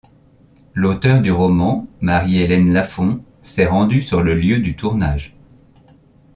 L'auteur du roman, Marie-Hélène Lafon s'est rendue sur le lieu du tournage.